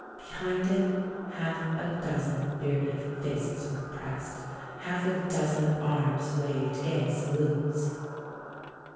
Behind it, half a dozen bearded faces were pressed ; half a dozen arms waved gay salutes.